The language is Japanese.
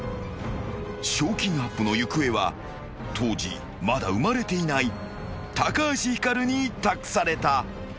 ［賞金アップの行方は当時まだ生まれていない橋ひかるに託された］